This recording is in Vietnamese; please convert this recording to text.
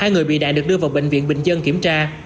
hai người bị đại được đưa vào bệnh viện bình dân kiểm tra